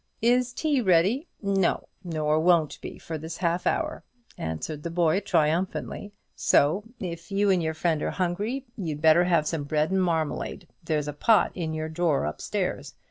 "Is tea ready?" "No, nor won't be for this half hour," answered the boy, triumphantly; "so, if you and your friend are hungry, you'd better have some bread and marmalade. There's a pot in your drawer up stairs.